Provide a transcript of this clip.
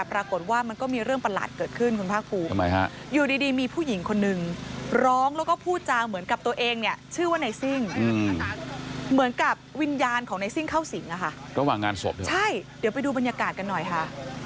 ระหว่างงานศพใช่เดี๋ยวไปดูบรรยากาศกันหน่อยค่ะ